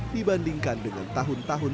dibandingkan dengan tahun lalu